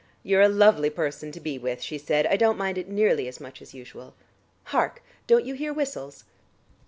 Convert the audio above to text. "You're a lovely person to be with," she said. "I don't mind it nearly as much as usual. Hark, don't you hear whistles?"